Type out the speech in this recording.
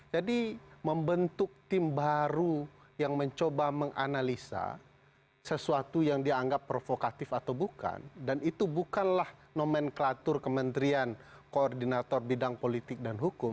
jadi membentuk tim baru yang mencoba menganalisa sesuatu yang dianggap provokatif atau bukan dan itu bukanlah nomenklatur kementerian koordinator bidang politik dan hukum